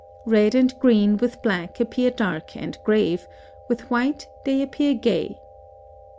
Red and green with black appear dark and grave; with white they appear gay.